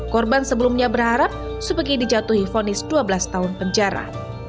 korban sebelumnya berharap supegi dijatuhi vonis dua belas tahun penjara